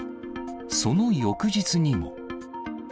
その翌日にも。